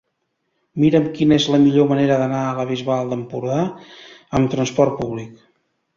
Mira'm quina és la millor manera d'anar a la Bisbal d'Empordà amb trasport públic.